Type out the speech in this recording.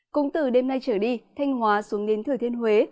cũng từ đêm nay trở đi thanh hóa xuống đến thừa thiên huế